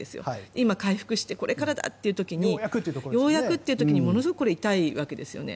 今、回復してこれからだっていう時にようやくだという時にものすごくこれは痛いわけですよね。